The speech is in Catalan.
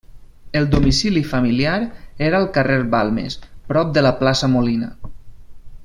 El domicili familiar era al carrer Balmes, prop de la plaça Molina.